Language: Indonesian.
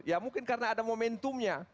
ya mungkin karena ada momentumnya